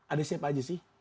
ada siapa aja sih